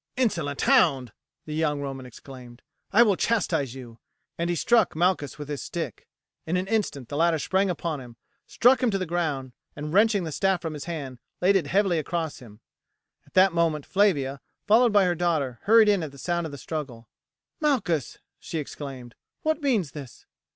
"Insolent hound," the young Roman exclaimed, "I will chastise you," and he struck Malchus with his stick. In an instant the latter sprang upon him, struck him to the ground, and wrenching the staff from his hand laid it heavily across him. At that moment Flavia, followed by her daughter, hurried in at the sound of the struggle. "Malchus," she exclaimed, "what means this?"